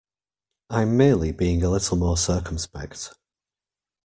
I'm merely being a little more circumspect.